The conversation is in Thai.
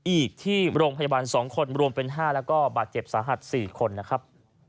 อีกที่โรงพยาบาล๒คนรวมเป็น๕แล้วก็บาดเจ็บสาหัส๔คนนะครับ